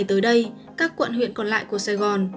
tới đây các quận huyện còn lại của sài gòn